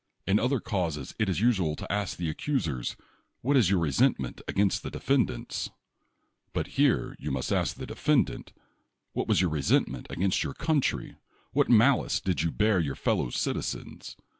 In other causes it is usual to ask the accus ers: "What is your resentment against the de fendants ?'' But here you must ask the defend ant :'' What was your resentment against your country? What malice did you bear your fel low citizens?